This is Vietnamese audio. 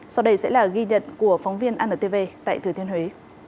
sau đây sẽ là ghi nhận của phóng viên antv tại thừa thiên huế